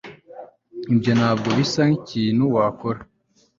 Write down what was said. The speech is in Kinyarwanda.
Ibyo ntabwo bisa nkikintu wakora